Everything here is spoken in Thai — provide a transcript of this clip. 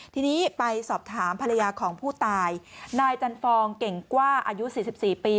ทีนี้ไปสอบถามภรรยาของผู้ตายนายจันฟองเก่งกล้าอายุ๔๔ปี